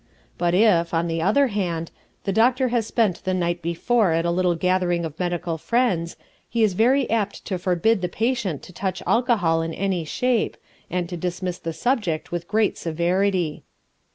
But if, on the other hand, the doctor has spent the night before at a little gathering of medical friends, he is very apt to forbid the patient to touch alcohol in any shape, and to dismiss the subject with great severity.